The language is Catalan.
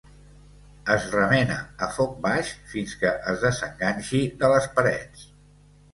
Es remena a foc baix fins que es desenganxi de les parets.